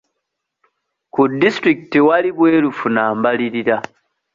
Ku disitulikiti tewali bwerufu na mbalirira.